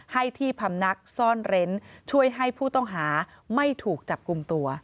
ให้ที่พำนักซ่อนเร้นช่วยให้ผู้ต้องหาไม่ถูกจับกลุ่มตัว